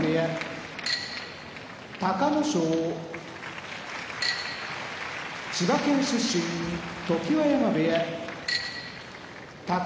隆の勝千葉県出身常盤山部屋宝